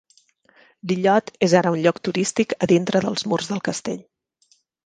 L'illot és ara un lloc turístic a dintre dels murs del castell.